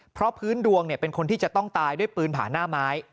เพราะพื้นดวงเป็นคนที่จะต้องตายด้วยปืนผ่านหน้าไม้